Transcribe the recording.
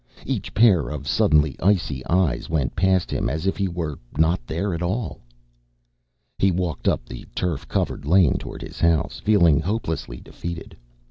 Each pair of suddenly icy eyes went past him as if he were not there at all. He walked up the turf covered lane toward his house, feeling hopelessly defeated.